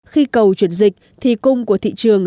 khi cầu chuyển dịch thì cung của thị trường